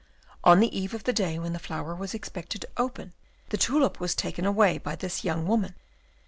On the eve of the day when the flower was expected to open, the tulip was taken away by this young woman.